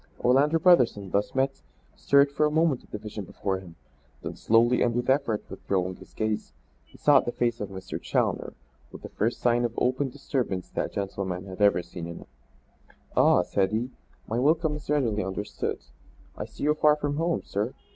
Orlando Brotherson, thus met, stared for a moment at the vision before him, then slowly and with effort withdrawing his gaze, he sought the face of Mr. Challoner with the first sign of open disturbance that gentleman had ever seen in him. "Ah," said he, "my welcome is readily understood. I see you far from home, sir."